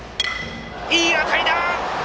いい当たり！